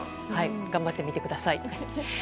頑張ってみてください。